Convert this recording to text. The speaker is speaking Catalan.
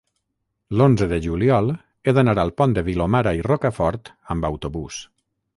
l'onze de juliol he d'anar al Pont de Vilomara i Rocafort amb autobús.